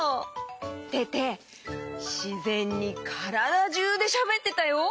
テテしぜんにからだじゅうでしゃべってたよ。